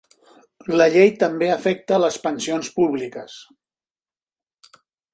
La llei també afecta les pensions públiques.